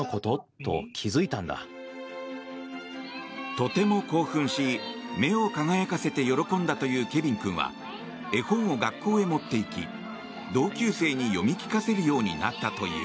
とても興奮し、目を輝かせて喜んだというケビン君は絵本を学校に持っていき同級生に読み聞かせるようになったという。